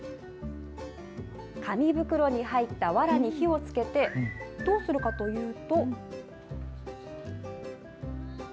紙袋に入ったわらに火をつけて、どうするかというと。